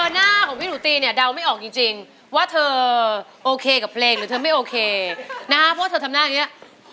น่าของพี่หนูตีเนี่ยดาวไม่ออกจริงจริงว่าเธอโอเคกับเพลงหรือไม่โอเคนะเพราะเธอทำหน้านี้